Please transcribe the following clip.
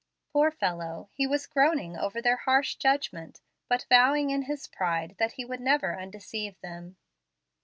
Poor fellow! he was groaning over their harsh judgment, but vowing in his pride that he would never undeceive them.